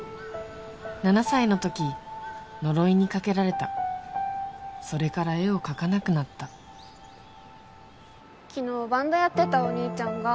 ７歳のとき呪いにかけられたそれから絵を描かなくなった昨日バンドやってたお兄ちゃんが